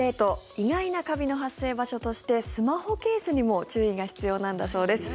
意外なカビの発生場所としてスマホケースにも注意が必要なんだそうです。